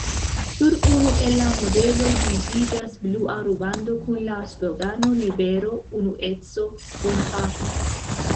Sur unu el la modeloj bildiĝas blua rubando kun la slogano "libero, unueco, bonfarto".